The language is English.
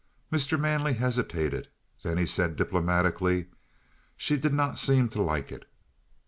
Mr. Manley hesitated; then he said diplomatically: "She did not seem to like it."